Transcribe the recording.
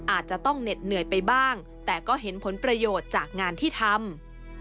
อาจจะต้องเหน็ดเหนื่อยไปบ้างแต่ก็เห็นผลประโยชน์จากงานที่ทำ